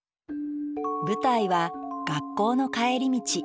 舞台は学校の帰り道。